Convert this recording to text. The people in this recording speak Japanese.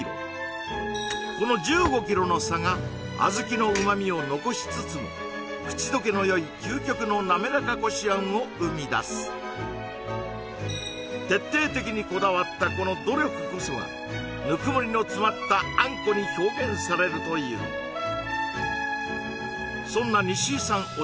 この１５ｋｇの差が小豆の旨みを残しつつも口溶けのよい究極のなめらかこしあんを生み出す徹底的にこだわったこの努力こそがぬくもりの詰まったあんこに表現されるというそんな西井さん